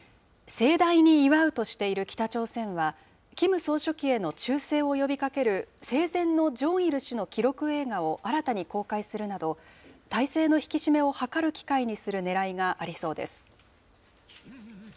盛大に祝うとしている北朝鮮は、キム総書記への忠誠を呼びかける生前のジョンイル氏の記録映画を新たに公開するなど、体制の引き締めを図る機会にするねらいがありそうです。